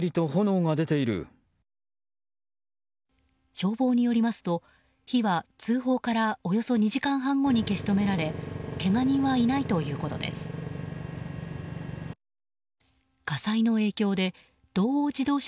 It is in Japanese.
消防によりますと火は通報からおよそ２時間半後に消し止められけが人はいないということです。